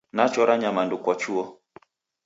Nachora nyamandu kwa chuo